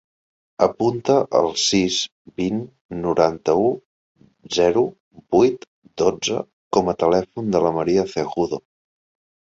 Apunta el sis, vint, noranta-u, zero, vuit, dotze com a telèfon de la Maria Cejudo.